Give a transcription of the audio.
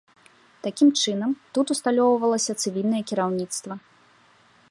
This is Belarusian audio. Такім чынам, тут усталёўвалася цывільнае кіраўніцтва.